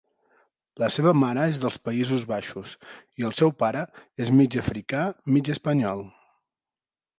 La seva mare és dels Països Baixos i el seu pare és mig africà, mig espanyol.